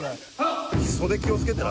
袖気をつけてな。